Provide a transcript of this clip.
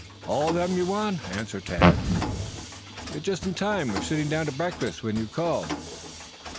"All of them you want," answered Tad. "You are just in time. We were sitting down to breakfast when you called."